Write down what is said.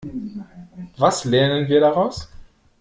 Was lernen wir daraus?